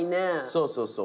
そうそうそう。